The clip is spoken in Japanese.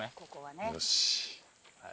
よし。